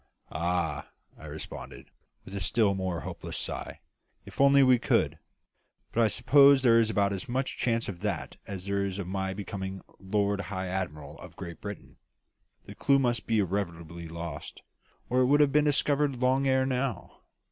"Ah!" I responded, with a still more hopeless sigh, "if only we could! But I suppose there is about as much chance of that as there is of my becoming Lord High Admiral of Great Britain. The clue must be irretrievably lost, or it would have been discovered long ere now.